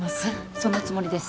そのつもりです。